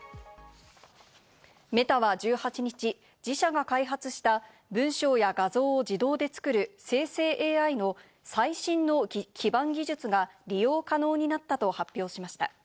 Ｍｅｔａは１８日、自社が開発した文章や画像を自動で作る生成ＡＩの最新の基盤技術が利用可能になったと発表しました。